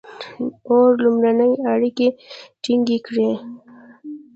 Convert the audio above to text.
• اور لومړنۍ اړیکې ټینګې کړې.